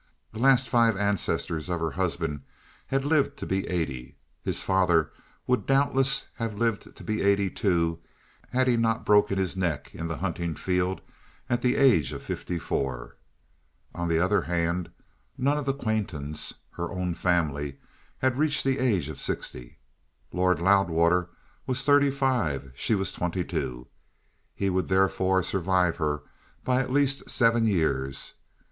The last five ancestors of her husband had lived to be eighty. His father would doubtless have lived to be eighty too, had he not broken his neck in the hunting field at the age of fifty four. On the other hand, none of the Quaintons, her own family, had reached the age of sixty. Lord Loudwater was thirty five; she was twenty two; he would therefore survive her by at least seven years.